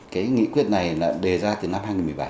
cái nghị quyết này là đề ra từ năm hai nghìn một mươi bảy